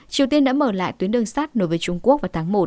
triều tiên đã mở lại tuyến đường sát nối với trung quốc vào tháng một